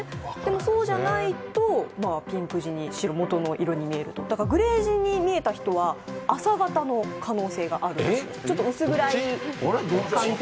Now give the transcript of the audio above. そうじゃないと、ピンク地に白元の色に見えると、グレー地に見えた火とは朝型の可能性があるらしいです。